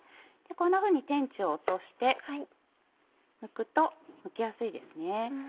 こんなふうに天地を落としてむくとむきやすいです。